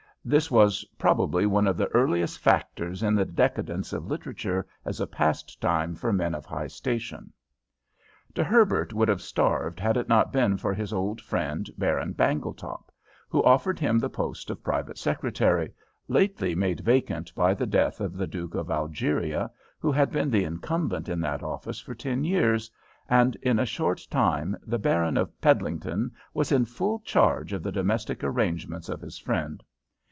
This was probably one of the earliest factors in the decadence of literature as a pastime for men of high station. De Herbert would have starved had it not been for his old friend Baron Bangletop, who offered him the post of private secretary, lately made vacant by the death of the Duke of Algeria, who had been the incumbent of that office for ten years, and in a short time the Baron of Peddlington was in full charge of the domestic arrangements of his friend.